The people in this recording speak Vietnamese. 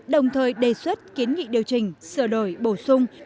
đồng thời đề xuất kiến nghị điều chỉnh sửa đổi bổ sung